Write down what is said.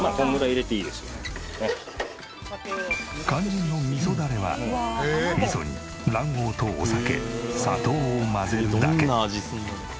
肝心の味噌ダレは味噌に卵黄とお酒砂糖を混ぜるだけ。